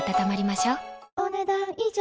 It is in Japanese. お、ねだん以上。